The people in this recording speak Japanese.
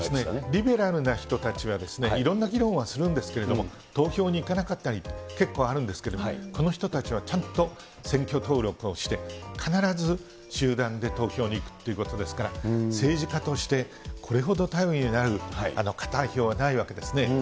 リベラルの人たちはいろんな議論はするんですけど、投票に行かなかったり、結構あるんですけれども、この人たちはちゃんと選挙登録をして、必ず集団で投票に行くということですから、政治家としてこれほど頼りになるかたい票はないわけですよね。